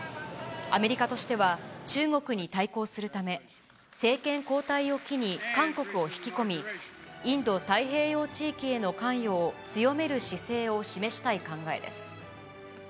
アメリカとしては、中国に対抗するため、政権交代を機に韓国を引き込み、インド太平洋地域への関与を強める姿勢を示したい考えです。